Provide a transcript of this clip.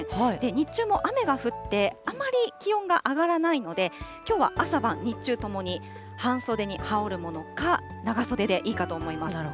日中も雨が降って、あまり気温が上がらないので、きょうは朝晩、日中ともに、半袖に羽織るものか、長袖でいいかと思います。